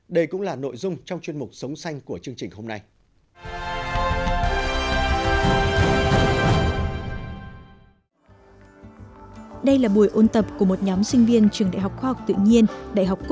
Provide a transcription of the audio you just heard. đây cũng là nội dung trong chuyên mục